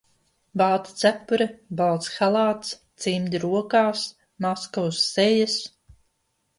Balta cepure, balts halāts, cimdi rokās, maska uz sejas.